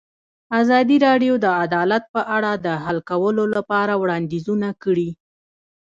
ازادي راډیو د عدالت په اړه د حل کولو لپاره وړاندیزونه کړي.